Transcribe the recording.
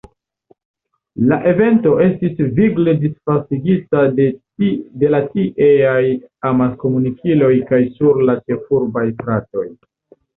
La evento estis vigle disvastigita de la tieaj amaskomunikiloj kaj sur la ĉefurbaj stratoj.